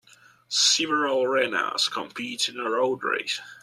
Several runners compete in a road race.